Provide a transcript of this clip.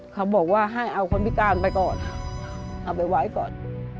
เขาบอกว่าให้เอาคนพิการไปก่อนเอาไปไว้ก่อน